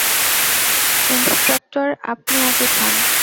Instructor, আপনি আগে খান।